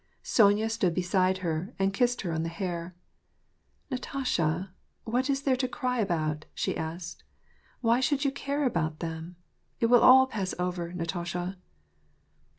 Sonya stood beside her, and kissed her on the hair. "Natasha, what is there to cry about ?" she asked. " Why should you care about them ? It will all pass over, Natasha.'